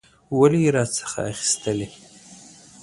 ولي یې راڅخه اخیستلې؟